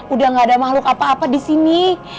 udah gak ada makhluk apa apa disini